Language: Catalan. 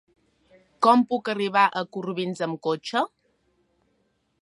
Com puc arribar a Corbins amb cotxe?